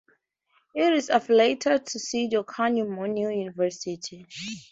It is affiliated to Sido Kanhu Murmu University.